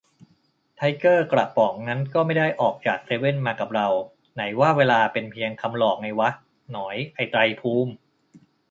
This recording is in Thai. ไทเกอร์กระป๋องนั้นก็ไม่ได้ออกจากเซเว่นมากับเรา : ไหนว่าเวลาเป็นเพียงคำหลอกไงวะ หนอยไอ้ไตรภูมิ